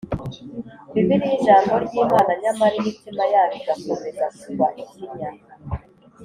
”, bibiliya ijambo ry’imana), nyamara imitima yabo igakomeza kugwa ikinya